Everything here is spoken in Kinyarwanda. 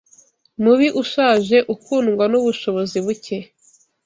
mubi ushaje ukundwa nubushobozi buke